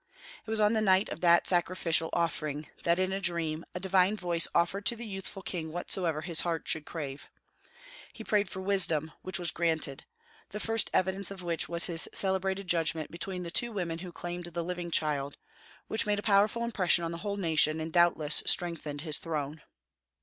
It was on the night of that sacrificial offering that, in a dream, a divine voice offered to the youthful king whatsoever his heart should crave. He prayed for wisdom, which was granted, the first evidence of which was his celebrated judgment between the two women who claimed the living child, which made a powerful impression on the whole nation, and doubtless strengthened his throne.